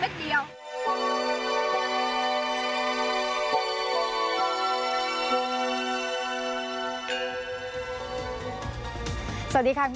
สวัสดีครับ